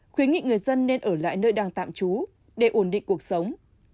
khuyến nghị người dân nên ở lại nơi đang tạm trú để ổn định cuộc sống